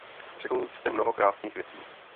Řekl jste mnoho krásných věcí.